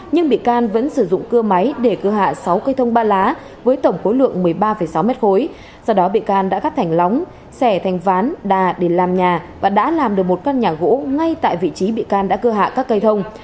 nhưng bị can vẫn sử dụng cưa máy để cưa hạ sáu cây thông ba lá với tổng khối lượng một mươi ba sáu m khối do đó bị can đã gắt thành lóng xẻ thành ván đà để làm nhà và đã làm được một căn nhà gỗ ngay tại vị trí bị can đã cưa hạ các cây thông